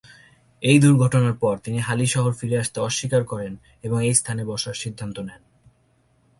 এই দুর্ঘটনার পর তিনি হালিশহর ফিরে আসতে অস্বীকার করেন এবং এই স্থানে বসার সিদ্ধান্ত নেন।